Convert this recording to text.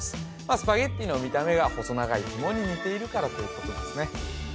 スパゲティの見た目が細長いひもに似ているからということですね